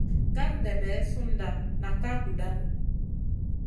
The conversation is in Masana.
Gandebe sunda nak ka gudanu.